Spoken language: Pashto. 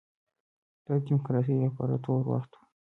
دا د ډیموکراسۍ لپاره تور وخت و.